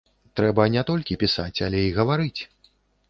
Трэба не толькі пісаць, але і гаварыць.